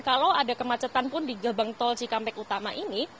kalau ada kemacetan pun di gerbang tol cikampek utama ini